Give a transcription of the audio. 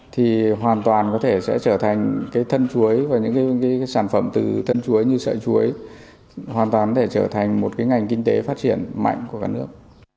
thì hoàn toàn có thể sẽ trở thành cái thân chuối và những cái sản phẩm từ thân chuối như sợi chuối hoàn toàn có thể trở thành một cái ngành kinh tế phát triển mạnh của cả nước